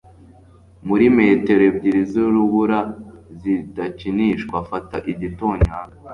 muri metero ebyiri zurubura (zidakinishwa), fata igitonyanga